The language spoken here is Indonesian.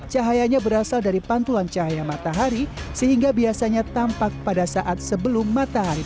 cahayanya berasal dari pantulan cahaya matahari sehingga biasanya tampak pada saat sebelum matahari